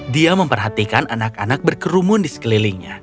dia memperhatikan anak anak berkerumun di sekelilingnya